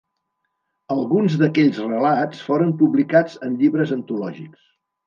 Alguns d'aquells relats foren publicats en llibres antològics.